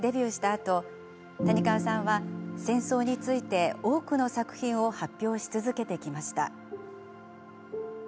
あと谷川さんは戦争について多くの作品を発表し続けてきました。